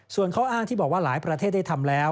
ส่วนข้ออ้างที่บอกว่าหลายประเทศได้ทำแล้ว